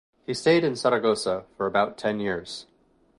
He stayed in Zaragoza for about ten years.